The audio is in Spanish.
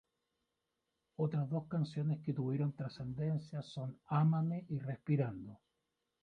Otras dos canciones que tuvieron trascendencia son "Ámame" y "Respirando".